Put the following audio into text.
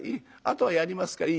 あとはやりますから。